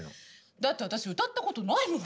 だって私歌ったことないもん。